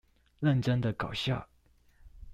認真的搞笑